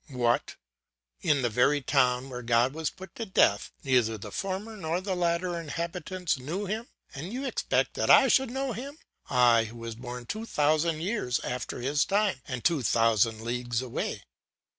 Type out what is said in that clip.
"What! In the very town where God was put to death, neither the former nor the latter inhabitants knew him, and you expect that I should know him, I who was born two thousand years after his time, and two thousand leagues away?